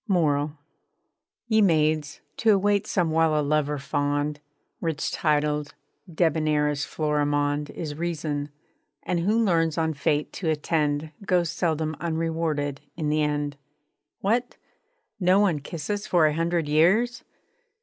MORAL Ye Maids, to await some while a lover fond, Rich titled, debonair as Florimond, Is reason; and who learns on fate to attend _Goes seldom unrewarded in the end _ _'What! No one kiss us for a hundred years!'